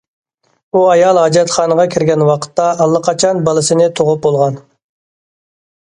ئۇ ئايال ھاجەتخانىغا كىرگەن ۋاقىتتا ئاللىقاچان بالىسىنى تۇغۇپ بولغان.